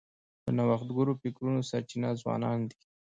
د نوښتګرو فکرونو سرچینه ځوانان دي.